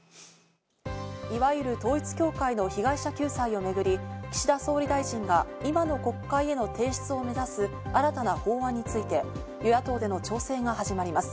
いわゆる統一教会の被害者救済をめぐり、岸田総理大臣が今の国会への提出を目指す、新たな法案について与野党での調整が始まります。